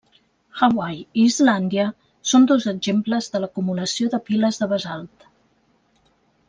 Hawaii i Islàndia són dos exemples de l'acumulació de piles de basalt.